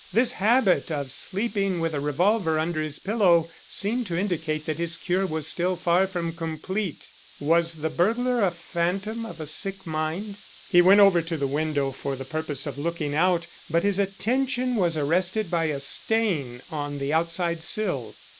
This habit of sleeping with a revolver under his pillow seemed to indicate that his cure was still far from complete. Was the burglar a phantom of a sick mind? He went over to the window for the purpose of looking out but his attention was arrested by a stain on the outside sill.